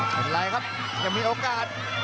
เป็นไรครับยังมีโอกาส